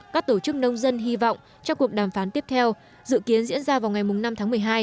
các tổ chức nông dân hy vọng trong cuộc đàm phán tiếp theo dự kiến diễn ra vào ngày năm tháng một mươi hai